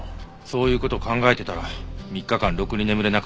そういう事を考えてたら３日間ろくに眠れなくて。